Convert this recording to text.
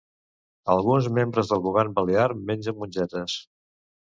Alguns membres del govern balear mengen mongetes